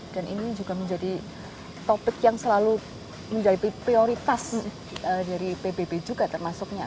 dan ini juga menjadi topik yang selalu menjadi prioritas dari pbb juga termasuknya